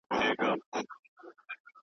زین یا کته به پرې کېږدي ته یې ګوره